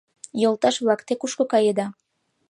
Йолташ-влак, те кушко каеда?